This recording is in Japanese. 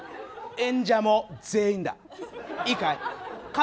演者も全員だ。